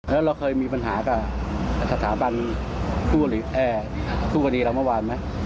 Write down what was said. แล้วเราเคยมีปัญหากับสถาบันผู้คดีเราเมื่อวานไหม